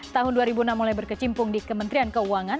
tahun dua ribu enam mulai berkecimpung di kementerian keuangan